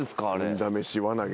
運試し輪投げ。